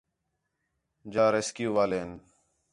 جا ریسکیو والے ہین